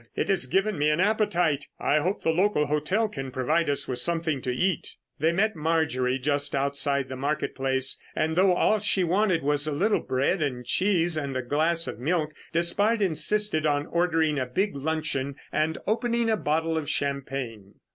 it has given me an appetite. I hope the local hotel can provide us with something to eat." They met Marjorie just outside the market place, and though all she wanted was a little bread and cheese and a glass of milk, Despard insisted on ordering a big luncheon and opening a bottle of champagne.